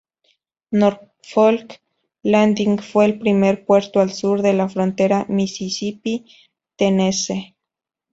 Norfolk Landing fue el primer puerto al sur de la frontera Misisipi-Tennessee.